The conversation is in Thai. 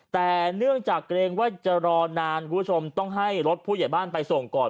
แต่เนื่องจากเกรงว่าจะรอนานคุณผู้ชมต้องให้รถผู้ใหญ่บ้านไปส่งก่อน